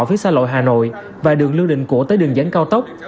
phía xa lội hà nội và đường lưu định của tới đường dẫn cao tốc